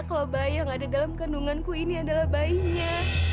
kalau bayi yang ada dalam kandunganku ini adalah bayinya